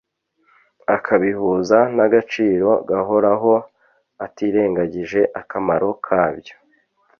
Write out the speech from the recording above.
akabihuza n'agaciro gahoraho, atirengagije akamaro kabyo.